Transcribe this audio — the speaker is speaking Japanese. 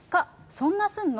そんなすんの？